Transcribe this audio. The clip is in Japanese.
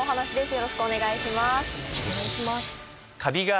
よろしくお願いします。